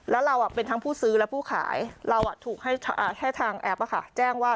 แล้วเราเป็นทั้งผู้ซื้อและผู้ขายเราถูกให้ทางแอปแจ้งว่า